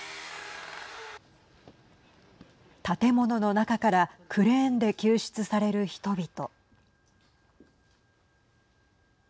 建物の中からクレーンで救出される人々。